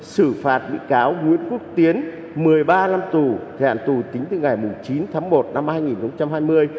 xử phạt bị cáo nguyễn quốc tiến một mươi ba năm tù thời hạn tù tính từ ngày chín tháng một năm hai nghìn hai mươi